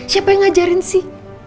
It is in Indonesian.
siapa yang ngajarin sih